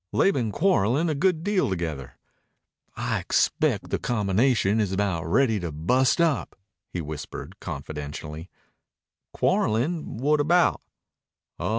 "They been quarrelin' a good deal together. I expect the combination is about ready to bust up," he whispered confidentially. "Quarrelin'? What about?"